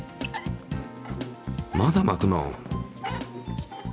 まだ巻くの？